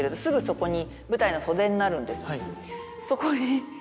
そこに。